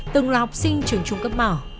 từng là học sinh trường trung cấp bảo